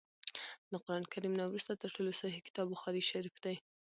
د قران کريم نه وروسته تر ټولو صحيح کتاب بخاري شريف دی